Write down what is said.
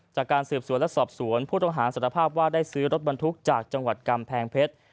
จากการสืบสวนและสอบสวนผู้ต้องหาสารภาพว่าได้ซื้อรถบรรทุกจากจังหวัดกำแพงเพชร